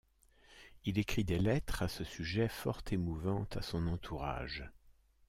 Il écrit des lettres à ce sujet fort émouvantes à son entourage.